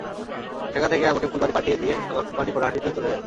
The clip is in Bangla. সেখান থেকে আমাকে ফুলবাড়ী পাঠিয়ে দিয়ে আমার কোম্পানি খোলাহাটিতে চলে যায়।